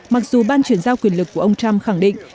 mặc dù ban chuyển giao quyền lực của ông trump khẳng định